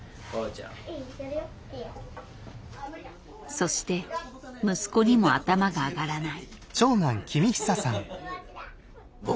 そして息子にも頭が上がらない。